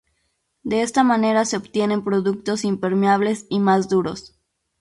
De esta manera se obtienen productos impermeables y más duros.